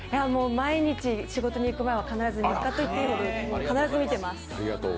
毎日仕事に行く前は日課といっていいぐらい必ず見てます。